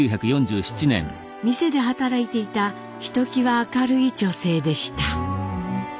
店で働いていたひときわ明るい女性でした。